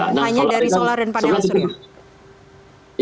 bukan hanya dari solar dan panel surya